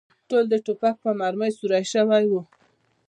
ټول د ټوپک په مرمۍ سوري شوي و.